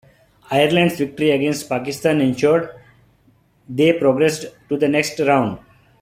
Ireland's victory against Pakistan ensured they progressed to the next round.